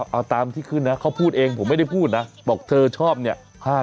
เอาตามที่ขึ้นนะเขาพูดเองผมไม่ได้พูดนะบอกเธอชอบเนี่ย